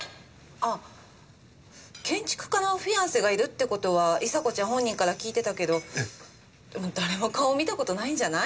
あっ建築家のフィアンセがいるって事は伊沙子ちゃん本人から聞いてたけどでも誰も顔見た事ないんじゃない？